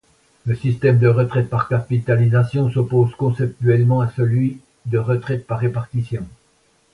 Le système de retraite par capitalisation, s'oppose conceptuellement à celui de retraite par répartition.